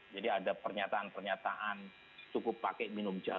jadi ada pernyataan pernyataan cukup pakai minum jamu